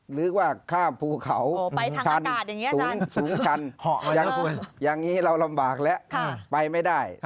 หรือว่าข้ามภูเขาชันสูงชันคุณอย่างนี้เราลำบากแล้วไปไม่ได้